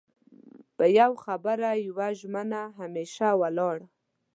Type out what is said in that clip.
په يو خبره يوه ژمنه همېشه ولاړ